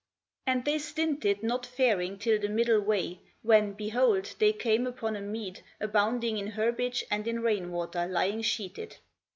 And they stinted not faring till the middle way, when behold they came upon a mead abounding in herbage and in rain water Ijdng sheeted.